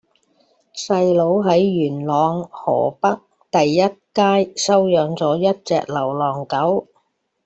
細佬喺元朗河北第一街收養左一隻流浪狗